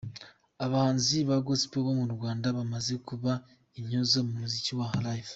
Abahanzi ba Gospel bo mu Rwanda bamaze kuba intyoza mu muziki wa Live.